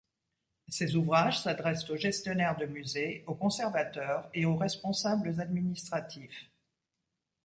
Ses ouvrages s'adressent aux gestionnaires de musées, aux conservateurs et aux responsables administratifs.